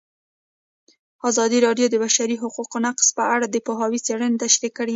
ازادي راډیو د د بشري حقونو نقض په اړه د پوهانو څېړنې تشریح کړې.